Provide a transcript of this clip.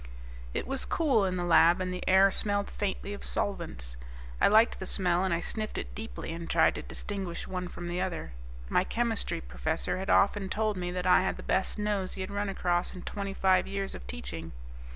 It was cool in the lab and the air smelled faintly of solvents. I liked the smell, and I sniffed it deeply and tried to distinguish one from the other. My chemistry professor had often told me that I had the best nose he had run across in twenty five years of teaching.